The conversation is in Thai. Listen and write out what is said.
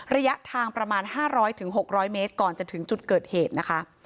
ระยะทางประมาณ๕๐๐๖๐๐เมตรก่อนจะถึงจุดเกิดเหตุนะคะ